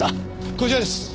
こちらです。